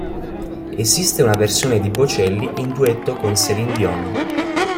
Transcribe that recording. Esiste una versione di Bocelli in duetto con Céline Dion.